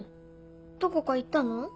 どこか行ったの？